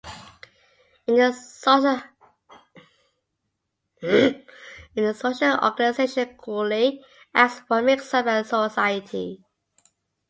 In the "Social Organization" Cooley asks what makes up a society.